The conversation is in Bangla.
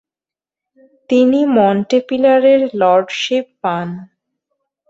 তিনি মন্টেপিলারের লর্ডশিপ পান।